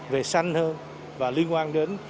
về sanh hơn và liên quan đến